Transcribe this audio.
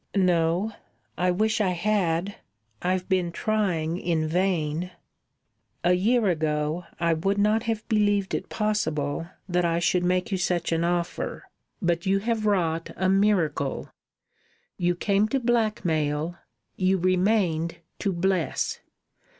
"No. I wish I had. I've been trying in vain." "A year ago I would not have believed it possible that I should make you such an offer, but you have wrought a miracle. You came to blackmail, you remained to bless.